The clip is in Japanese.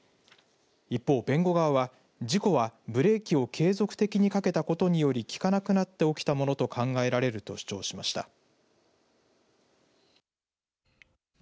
一方、弁護側は事故は、ブレーキを継続的にかけたことによりきかなくなって起きたものと考えられると主張しました。